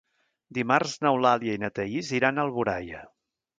Dimarts n'Eulàlia i na Thaís iran a Alboraia.